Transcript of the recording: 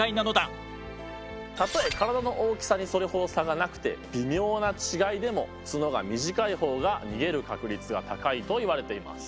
たとえ体の大きさにそれほど差がなくて微妙な違いでも角が短い方が逃げる確率は高いといわれています。